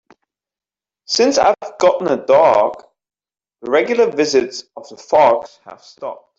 Since I've gotten a dog, the regular visits of the fox have stopped.